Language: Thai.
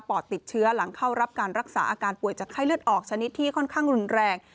อดติดเชื้อหลังเข้ารับการรักษาอาการป่วยจากไข้เลือดออกชนิดที่ค่อนข้างรุนแรง